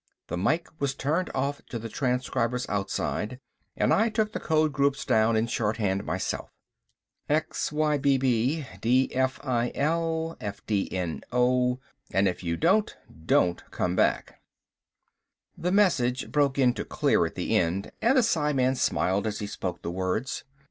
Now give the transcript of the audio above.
The mike was turned off to the transcribers outside, and I took the code groups down in shorthand myself. "... xybb dfil fdno, and if you don't don't come back!" The message broke into clear at the end and the psiman smiled as he spoke the words.